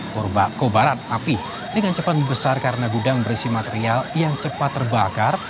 korban kobaran api dengan cepat membesar karena gudang berisi material yang cepat terbakar